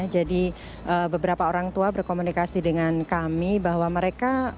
jadi beberapa orang tua berkomunikasi dengan kami bahwa mereka cukup bahagia